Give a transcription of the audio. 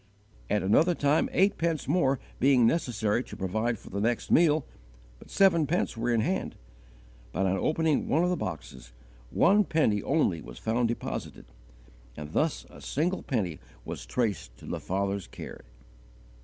At another time eight pence more being necessary to provide for the next meal, but seven pence were in hand; but on opening one of the boxes, one penny only was found deposited, and thus a single penny was traced to the Father's care.